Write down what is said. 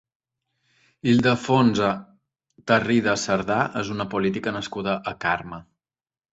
Ildefonsa Tarrida Sardà és una política nascuda a Carme.